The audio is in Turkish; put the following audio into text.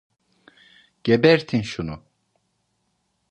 Gebertin şunu!